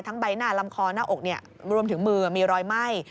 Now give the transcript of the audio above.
ใบหน้าลำคอหน้าอกรวมถึงมือมีรอยไหม้